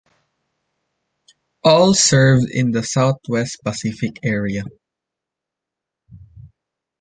All served in the Southwest Pacific Area.